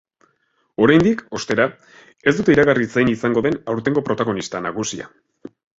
Oraindik, ostera, ez dute iragarri zein izango den aurtengo protagonista nagusia.